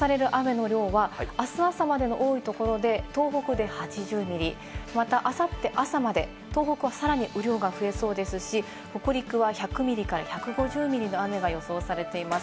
予想される雨の量はあす朝までの多いところで、東北で８０ミリ、またあさって朝まで、東北はさらに雨量が増えそうですし、北陸は１００ミリから１５０ミリの雨が予想されています。